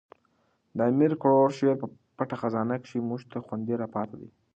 د امیر کروړ شعر په پټه خزانه کښي موږ ته خوندي را پاته دئ.